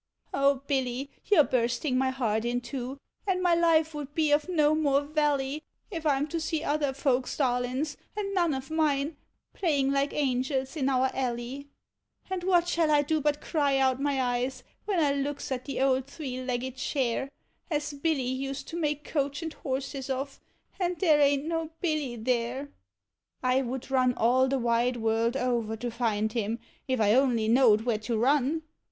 0 Hilly, you 're bursting my heart in two, and my life wou't be of no more vally, If 1 'm to sec other folks1 darliifs, and none of mine, playing like angels in our alley, And what shall 1 do but cry out my eyes, when I looks at the old thrre legged chair As Hilly used to make coach and horses of, and there a'n't no Hilly there! 1 would run all the wide world over to find him, if I only knowed where to run.